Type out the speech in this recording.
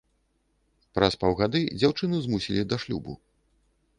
Праз паўгады дзяўчыну змусілі да шлюбу.